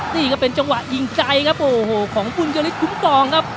นี่ก็เป็นจังหวะหยิงใจครับโหของวุลเยารีสทุมฟองครับ